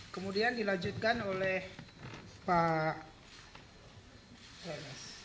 kemudian dilanjutkan oleh pak eles